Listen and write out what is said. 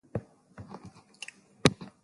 Maneno yamesemwa lakini si ya maana